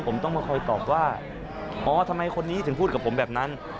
ผมต้องมาคอยตอบว่าอ๋อทำไมคนนี้ถึงพูดกับผมแบบนั้น